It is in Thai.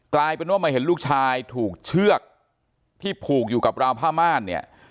กลายเป็นว่ามาเห็นลูกชายถูกเชือกที่ผูกอยู่กับราวผ้าม่านเนี่ย